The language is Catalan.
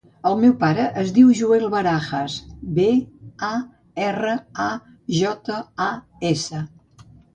El meu pare es diu Joel Barajas: be, a, erra, a, jota, a, essa.